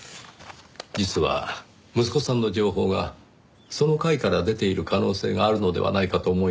実は息子さんの情報がその会から出ている可能性があるのではないかと思いましてね。